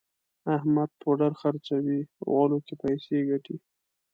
احمد پوډر خرڅوي غولو کې پیسې ګټي.